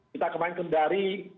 kita kemarin kendari